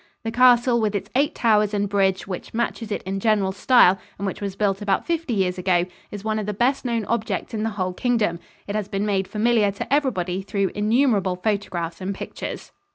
The castle, with its eight towers and bridge, which matches it in general style and which was built about fifty years ago, is one of the best known objects in the whole Kingdom. It has been made familiar to everybody through innumerable photographs and pictures.